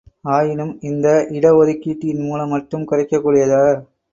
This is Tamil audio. ஆயினும், இந்த இட ஒதுக்கீட்டின் மூலம் மட்டும் குறைக்க கூடியதா?